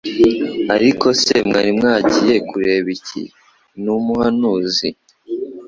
"Ariko se mwari mwagiye kureba iki? Ni umuhanuzi?